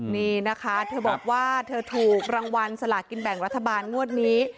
นี่นะคะเธอบอกว่าเธอถูกรางวัลสลากินแบ่งรัฐบาลงวดนี้